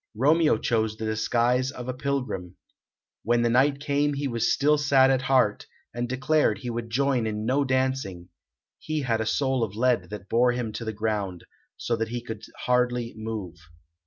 Romeo chose the disguise of a pilgrim. When the night came he was still sad at heart, and declared he would join in no dancing; he had a soul of lead that bore him to the ground, so that he could hardly move.